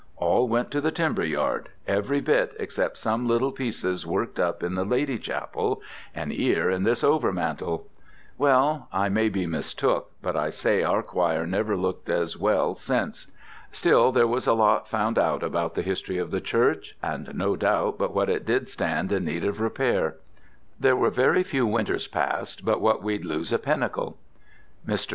All went to the timber yard every bit except some little pieces worked up in the Lady Chapel, and 'ere in this overmantel. Well I may be mistook, but I say our choir never looked as well since. Still there was a lot found out about the history of the church, and no doubt but what it did stand in need of repair. There was very few winters passed but what we'd lose a pinnicle." Mr.